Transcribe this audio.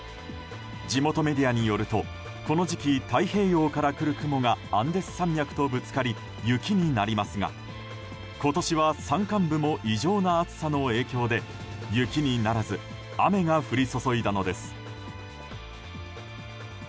地元メディアによるとこの時期、太平洋から来る雲がアンデス山脈とぶつかり雪になりますが今年は、山間部も異常な暑さの影響で雪にならず雨が降り注いだのです。